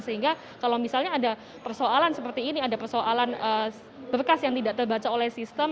sehingga kalau misalnya ada persoalan seperti ini ada persoalan berkas yang tidak terbaca oleh sistem